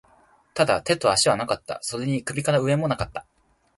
ただ、手と足はなかった。それに首から上も無かった。